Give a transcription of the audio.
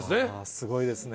すごいですね。